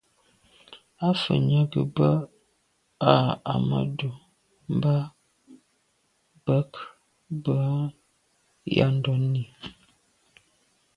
À’ fə̂ nyɑ́ gə̀ bə́ â Ahidjò mbɑ́ bə̀k bə́ á yá ndɔ̌n lî.